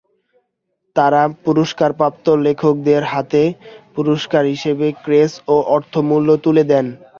তাঁরা পুরস্কারপ্রাপ্ত লেখকদের হাতে পুরস্কার হিসেবে ক্রেস্ট ও অর্থমূল্য তুলে দেন।